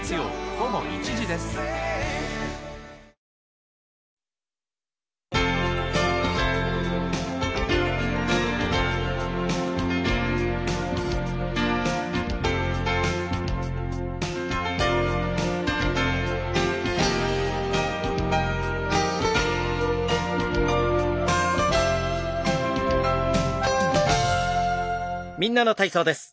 「みんなの体操」です。